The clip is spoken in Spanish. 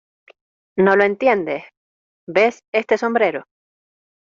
¿ No lo entiendes? ¿ ves este sombrero ?